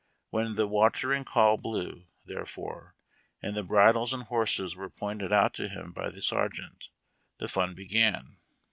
When the Watering Call blew, therefore, and the bridles and horses were pointed out to him by the sergeant, the fun began.